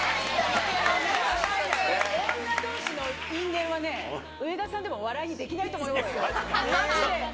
女どうしの因縁はね、上田さんでも笑いにできないと思いますよ。